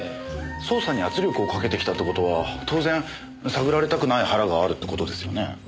捜査に圧力をかけてきたって事は当然探られたくない腹があるって事ですよね？